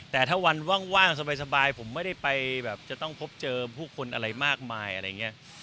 แต่ถ้าวันว่างสบายผมไม่ได้ไปแบบจะต้องพบเจอผู้คนอะไรมากมายอะไรอย่างนี้